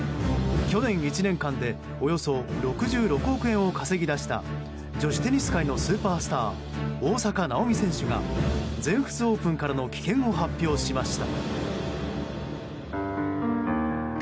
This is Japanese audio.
去年１年間でおよそ６６億円を稼ぎ出した女子テニス界のスーパースター大坂なおみ選手が全仏オープンからの棄権を発表しました。